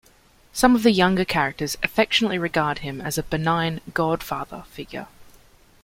Some of the younger characters affectionately regard him as a benign 'godfather' figure.